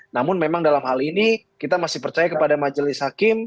namun memang dalam hal ini kita masih percaya kepada majelis hakim